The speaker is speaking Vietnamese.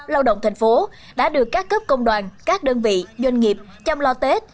lao động thành phố đã được các cấp công đoàn các đơn vị doanh nghiệp chăm lo tết